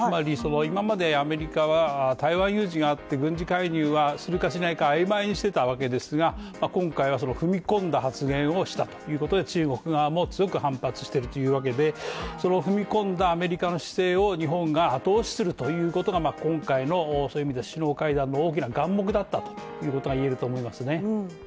今までアメリカは台湾有事があって軍事介入するかしないか、曖昧にしていたわけですが今回は踏み込んだ発言をしたということで中国側も強く反発しているわけで踏み込んだアメリカの姿勢を日本が後押しするというのが、今回のそういう意味では首脳会談の大きな眼目だったということが言えると思います。